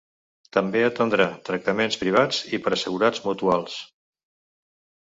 També atendrà tractaments privats i per assegurats mutuals.